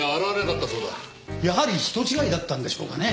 やはり人違いだったんでしょうかね？